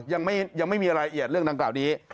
ยังไม่มีรายละเอียดเรื่องดังกล่าวนี้